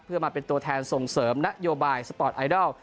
เพื่อมาเป็นตัวแทนส่งเสริมนโยบายสปอร์ตไอดอล